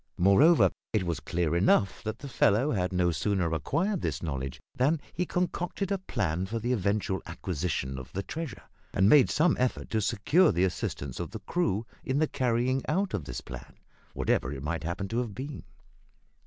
Moreover, it was clear enough that the fellow had no sooner acquired this knowledge than he concocted a plan for the eventual acquisition of the treasure, and made some effort to secure the assistance of the crew in the carrying out of this plan, whatever it might happen to have been.